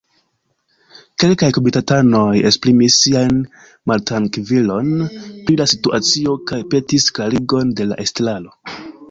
Kelkaj komitatanoj esprimis sian maltrankvilon pri la situacio kaj petis klarigon de la estraro.